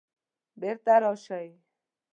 بیرته راشئ